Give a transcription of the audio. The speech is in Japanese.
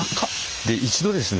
で一度ですね